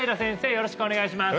よろしくお願いします